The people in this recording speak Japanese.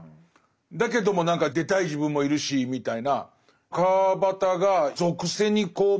だけども何か出たい自分もいるしみたいな。